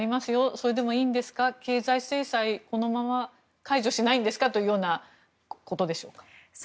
それでもいいんですか経済制裁このまま解除しないんですかということでしょうか？